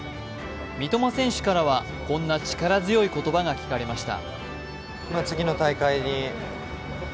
三笘選手からはこんな力強い言葉が聞かれました。